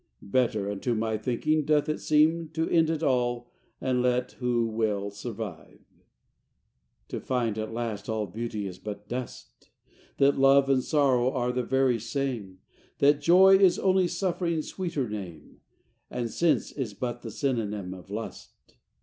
Better, unto my thinking, doth it seem To end it all and let who will survive: XX To find at last all beauty is but dust: That love and sorrow are the very same: That joy is only suffering's sweeter name: And sense is but the synonym of lust.